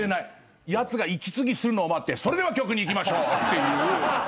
やつが息継ぎするのを待って曲にいきましょう！って。